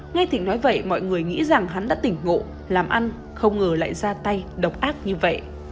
ngay thịnh nói vậy mọi người nghĩ rằng hắn đã tỉnh ngộ làm ăn không ngờ lại ra tay độc ác như vậy